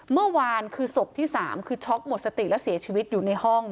เมื่อวานคือศพที่๓คือช็อกหมดสติและเสียชีวิตอยู่ในห้อง